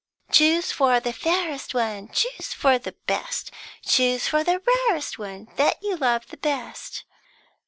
Choose for the fairest one, Choose for the best, Choose for the rarest one, That you love best!"